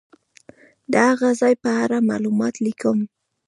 د هغه ځای په اړه معلومات لیکم.